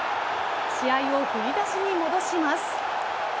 試合を振り出しに戻します。